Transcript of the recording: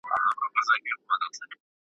ممکن تاسو له کوره د هغه د ورک کولو اراده لرئ.